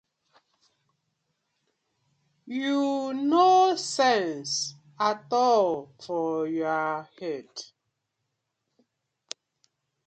Yu no sence atol for yah head.